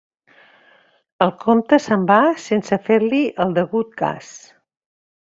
El comte se'n va sense fer-li el degut cas.